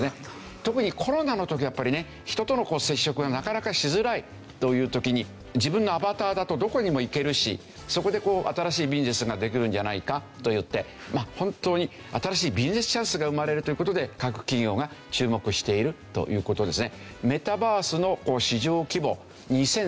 特にコロナの時はやっぱりね人との接触がなかなかしづらいという時に自分のアバターだとどこにも行けるしそこで新しいビジネスができるんじゃないかといって本当に新しいビジネスチャンスが生まれるという事で各企業が注目しているという事ですね。